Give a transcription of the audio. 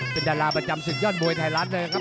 เป็นดาราประจำศึกยอดมวยไทยรัฐเลยครับ